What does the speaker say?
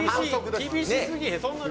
厳しすぎへん？